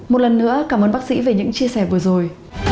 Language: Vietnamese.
một lần nữa cảm ơn bác sĩ về những chia sẻ vừa rồi